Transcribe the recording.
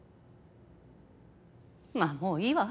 まあもういいわ。